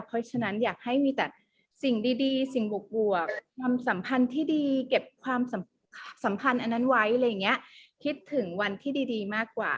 เพราะฉะนั้นอยากให้มีแต่สิ่งดีสิ่งบวกความสัมพันธ์ที่ดีเก็บความสัมพันธ์อันนั้นไว้อะไรอย่างนี้คิดถึงวันที่ดีมากกว่า